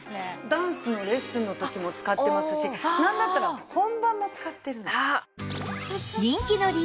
ダンスのレッスンの時も使ってますしなんだったら本番も使ってるの。